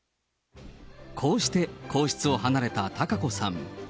こうして皇室を離れた貴子さん。